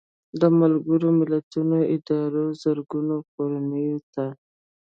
د ملګرو ملتونو ادارو زرګونو کورنیو ته